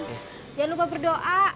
jangan lupa berdoa